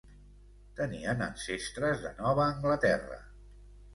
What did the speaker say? Tenien ancestres de Nova Anglaterra.